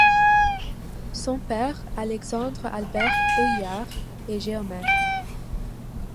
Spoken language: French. Son père, Alexandre Albert Heuillard, est géomètre.